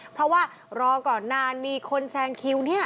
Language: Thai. เพราะว่ารอก่อนนานมีคนแซงคิวเนี่ย